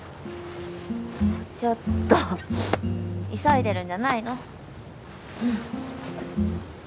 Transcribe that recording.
ちょっと急いでるんじゃないの？